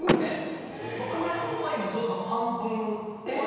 俺は今ちょうど。